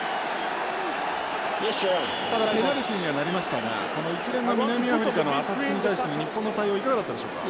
ただペナルティーにはなりましたがこの一連の南アフリカのアタックに対しての日本の対応いかがだったでしょうか？